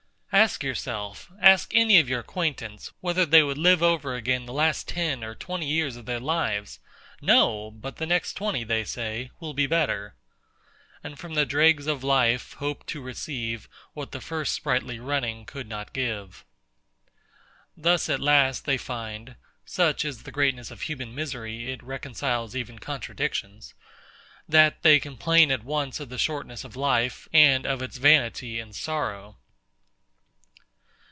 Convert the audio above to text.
Ask yourself, ask any of your acquaintance, whether they would live over again the last ten or twenty years of their life. No! but the next twenty, they say, will be better: And from the dregs of life, hope to receive What the first sprightly running could not give. Thus at last they find (such is the greatness of human misery, it reconciles even contradictions), that they complain at once of the shortness of life, and of its vanity and sorrow.